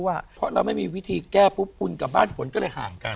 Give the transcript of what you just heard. เพราะเราไม่มีวิธีแก้ปุ๊บคุณกับบ้านฝนก็เลยห่างกัน